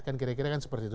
kan kira kira seperti itu